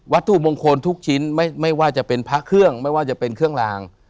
ถูกมงคลทุกชิ้นไม่ว่าจะเป็นพระเครื่องไม่ว่าจะเป็นเครื่องลาง